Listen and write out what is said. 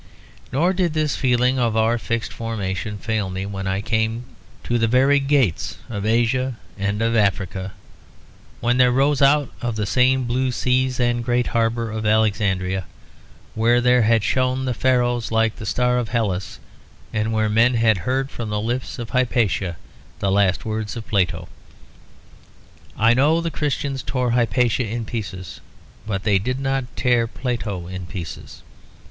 Nor did this feeling of our fixed formation fail me when I came to the very gates of Asia and of Africa; when there rose out of the same blue seas the great harbour of Alexandria; where had shone the Pharos like the star of Hellas, and where men had heard from the lips of Hypatia the last words of Plato. I know the Christians tore Hypatia in pieces; but they did not tear Plato in pieces.